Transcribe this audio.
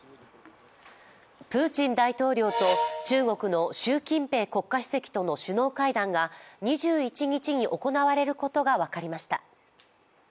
プーチン大統領と中国の習近平国家主席の首脳会談が２１日に行われることが分かりました。